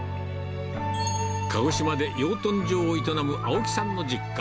鹿児島で養豚場を営む青木さんの実家。